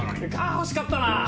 惜しかったなぁ！